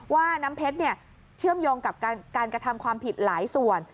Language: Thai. ว่าน้ำเพชรเชื่อมโยงกับการกระทำความผิดหลายส่วน